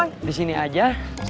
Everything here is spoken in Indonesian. kalau udah hai sugaru ya sama sama